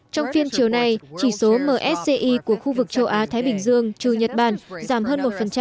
trong phiên chiều nay chỉ số msci của khu vực châu á thái bình dương trừ nhật bản giảm hơn một